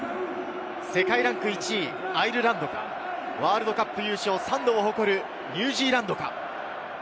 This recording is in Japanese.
世界ランク１位アイルランドか、ワールドカップ優勝３度を誇るニュージーランドか。